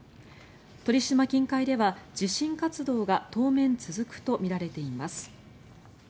鳥島近海では地震活動が当面続くとみられています。